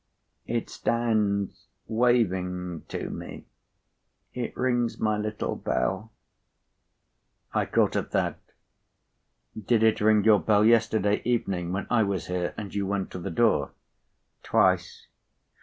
It stands waving to me. It rings my little bell—" I caught at that. "Did it ring your bell yesterday evening when I was here, and you went to the door?" "Twice."